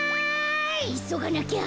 いそがなきゃ。